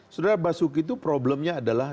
saudara basuki itu problemnya adalah